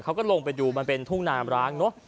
เขาก็ลงไปดูมันเป็นทุ่งนามร้างเนอะ